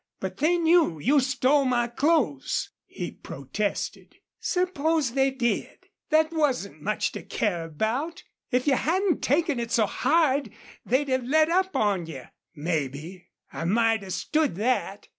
"But they knew you stole my clothes," he protested. "Suppose they did. That wasn't much to care about. If you hadn't taken it so hard they'd have let up on you." "Mebbe I might have stood that.